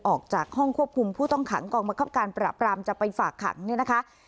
ออกจากห้องควบคุมผู้ต้องขังกองบังคับการปราบรามจะไปฝากขังเนี่ยนะคะ